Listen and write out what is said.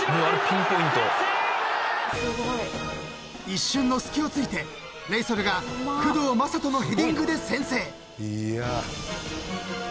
［一瞬の隙を突いてレイソルが工藤壮人のヘディングで先制］